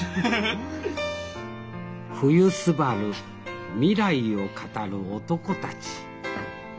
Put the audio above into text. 「冬昴未来を語る男たち」。